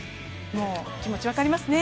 もう気持ち分かりますね。